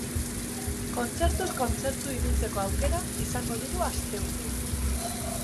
Kontzertuz kontzertu ibiltzeko aukera izango dugu asteburuan.